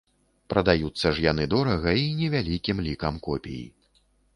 Прадаюцца ж яны дорага і невялікім лікам копій.